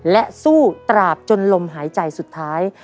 และสู้ตราบจนลมหายใจสุดท้าย